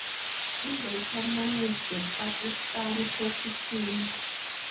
He later managed the Pakistani Hockey Team.